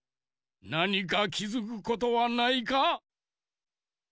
なにかきづくことはないか？